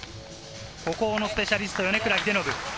孤高のスペシャリスト、米倉英信。